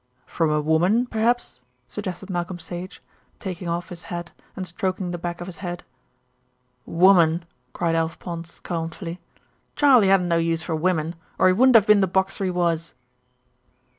"From a woman, perhaps?" suggested Malcolm Sage, taking off his hat and stroking the back of his head. "Woman!" cried Alf Pond scornfully; "Charley hadn't no use for women, or he wouldn't have been the boxer he was."